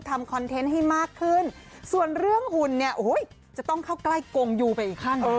คอนเทนต์ให้มากขึ้นส่วนเรื่องหุ่นเนี่ยโอ้โหจะต้องเข้าใกล้กงยูไปอีกขั้นหนึ่ง